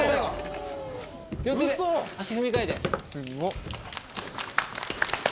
足踏み替えて。